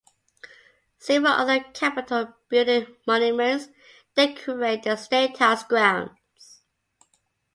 Several other capitol building monuments decorate the statehouse grounds.